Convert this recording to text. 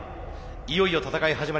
いよいよ戦い始まります。